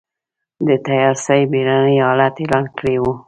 د تيارسۍ بېړنی حالت اعلان کړی و.